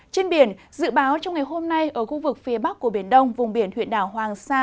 trên biển dự báo trong ngày hôm nay ở khu vực phía bắc của biển đông vùng biển huyện đảo hoàng sa